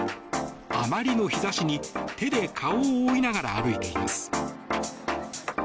あまりの日差しに手で顔を覆いながら歩いています。